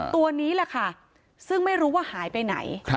ตัวนี้แหละค่ะซึ่งไม่รู้ว่าหายไปไหน